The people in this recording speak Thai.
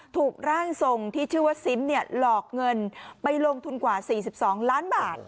ถูกร่างทรงที่ชื่อว่าซิมหลอกเงินไปลงทุนกว่า๔๒ล้านบาท